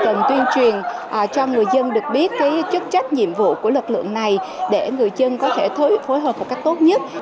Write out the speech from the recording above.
cần tuyên truyền cho người dân được biết chức trách nhiệm vụ của lực lượng này để người dân có thể phối hợp một cách tốt nhất